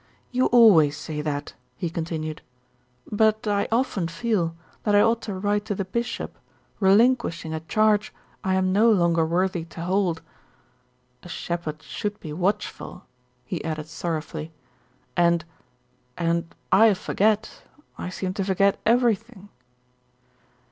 "You always say that," he continued; "but I often feel that I ought to write to the bishop relinquishing a charge I am no longer worthy to hold. A shepherd should be watchful," he added sorrowfully, "and and I forget, I seem to forget everything."